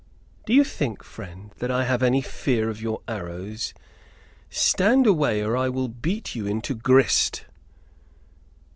"Do you think, friend, that I have any fear of your arrows? Stand away or I will beat you into grist."